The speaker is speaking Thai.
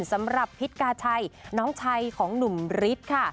สำหรับพิษกาชัยน้องชายของหนุ่มฤทธิ์ค่ะ